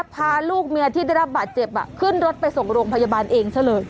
พาลูกเมียที่ได้รับบาดเจ็บขึ้นรถไปส่งโรงพยาบาลเองซะเลย